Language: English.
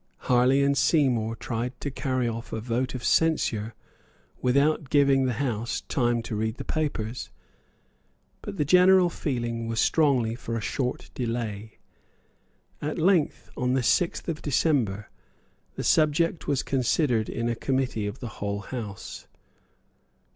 Harley and Seymour tried to carry a vote of censure without giving the House time to read the papers. But the general feeling was strongly for a short delay. At length, on the sixth of December, the subject was considered in a committee of the whole House.